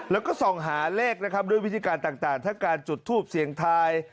แล้วก็ส่องหาเลขนะครับด้วยวิธีการต่างทั้งการจุดทูปเสียงทาย